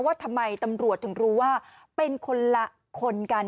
ว่าทำไมตำรวจถึงรู้ว่าเป็นคนละคนกัน